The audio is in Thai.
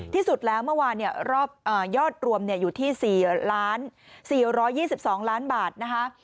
ที่สุดแล้วเมื่อวานยอดรวมอยู่ที่๔๔๒๒ล้านบาทนะคะ